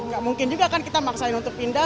gak mungkin juga kan kita maksain untuk pindah